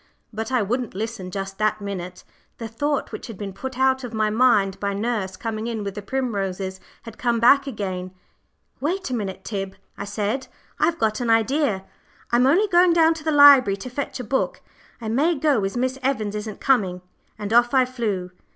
But I wouldn't listen just that minute. The thought which had been put out of my mind by nurse coming in with the primroses had come back again. "Wait a minute, Tib," I said, "I've got an idea. I'm only going down to the library to fetch a book. I may go as Miss Evans isn't coming;" and off I flew.